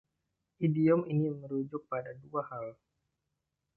Idiom ini merujuk pada dua hal.